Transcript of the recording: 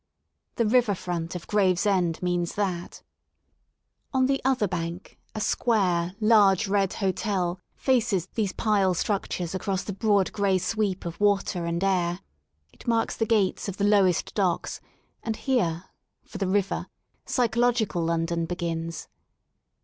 The river front of Graves end means that. On the other bank a square, large red hotel faces 65 F THE SOUL OF LONDON these pile structures across the broad gray sweep of water and air It marks the gates of the lowest docks, and here, for the river, psychological London begins.